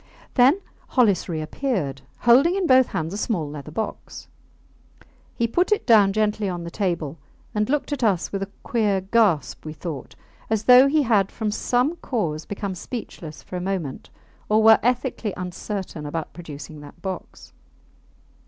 Then Hollis reappeared, holding in both hands a small leather box. He put it down gently on the table and looked at us with a queer gasp, we thought, as though he had from some cause become speechless for a moment, or were ethically uncertain about producing that box.